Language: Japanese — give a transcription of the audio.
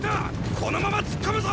このまま突っ込むぞ！